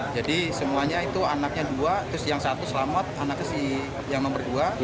jadi semuanya itu anaknya dua terus yang satu selamat anaknya yang nomor dua